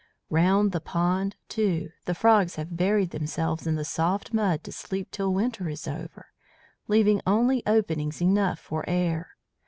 Round the pond, too, the frogs have buried themselves in the soft mud to sleep till winter is over, leaving only openings enough for air.